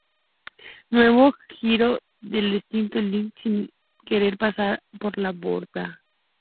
Nuevo giro del destino: Lucky sin querer pasar por la borda!